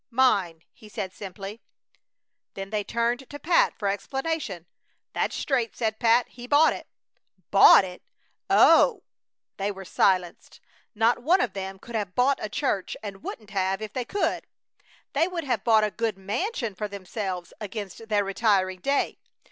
"Mine," he said, simply. Then they turned to Pat for explanation. "That's straight," said Pat. "He bought it." "Bought it! Oh!" They were silenced. Not one of them could have bought a church, and wouldn't have if they could. They would have bought a good mansion for themselves against their retiring day.